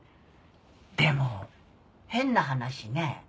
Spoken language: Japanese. でも変な話ね。